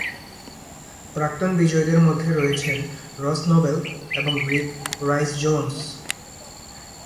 প্রাক্তন বিজয়ীদের মধ্যে রয়েছেন রস নোবেল এবং গ্রিফ রাইজ জোন্স।